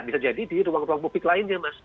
bisa jadi di ruang ruang publik lainnya mas